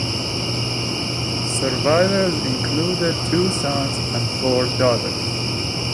Survivors included two sons and four daughters.